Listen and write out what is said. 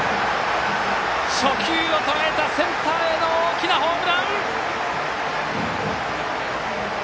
初球をとらえたセンターへの大きなホームラン！